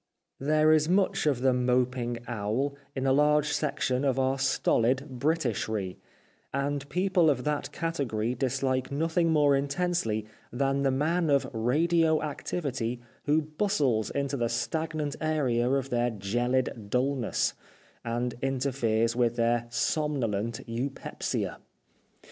There is much of the moping owl in a large section of our stolid Britishry, and people of that category dislike nothing more intensely than the man of radio activity who bustles into the stagnant area of their gelid dulness, and interferes with their somnolent eupepsia.